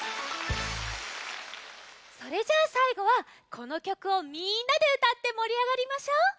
それじゃあさいごはこのきょくをみんなでうたってもりあがりましょう！